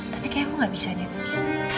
tapi kayak aku nggak bisa deh nus